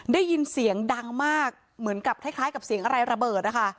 ได้ยินเสียงดังมากเหมือนกับคล้ายกับเสียงอะไรระเบิดนะคะ